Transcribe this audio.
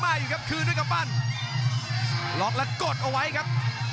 มาเงินครับคืนด้วยแปมปั้นล็อกแล้วกดเอาไว้ครับ